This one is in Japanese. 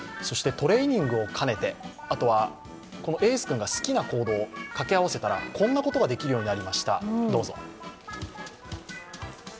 トレーニングを兼ねて、あとはエース君が好きな行動を掛け合わせたらこんなことができるようになりました。